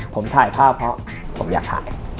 ผมถ่ายภาพเพราะผมอยากถ่าย